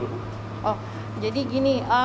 oh jadi gini